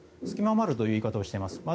隙間もあるという言い方をしています。